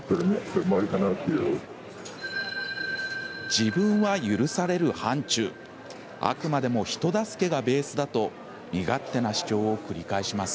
自分は許される範ちゅうあくまでも人助けがベースだと身勝手な主張を繰り返します。